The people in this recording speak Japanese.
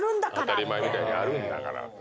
当たり前みたいにあるんやから。